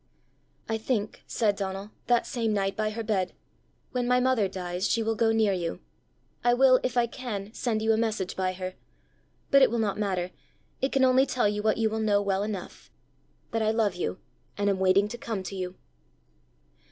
"I think," said Donal, that same night by her bed, "when my mother dies, she will go near you: I will, if I can, send you a message by her. But it will not matter; it can only tell you what you will know well enough that I love you, and am waiting to come to you."